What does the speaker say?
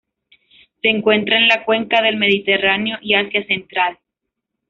Se encuentra en la cuenca del Mediterráneo y Asia central.